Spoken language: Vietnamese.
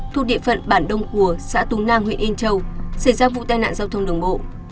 thuộc địa phận bản đông hùa xã túng nang huyện yên châu xảy ra vụ tai nạn giao thông đường bộ